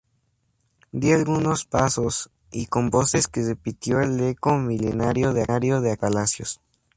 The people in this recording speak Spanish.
di algunos pasos, y con voces que repitió el eco milenario de aquellos palacios